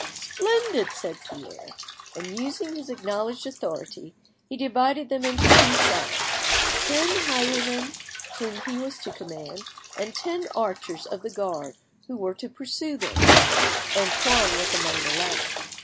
"Splendid!" said Pierre; and using his acknowledged authority, he divided them into two sides—ten highwaymen, whom he was to command, and ten archers of the guard, who were to pursue them; Antoine was among the latter.